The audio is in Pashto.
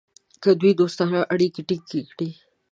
که دوی دوستانه اړیکې ټینګ کړي.